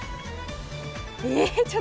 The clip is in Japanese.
えっ！？